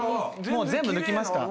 もう全部抜きました。